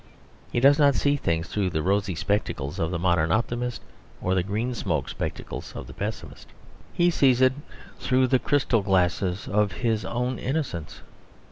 He does not see things through the rosy spectacles of the modern optimist or the green smoked spectacles of the pessimist; he sees it through the crystal glasses of his own innocence.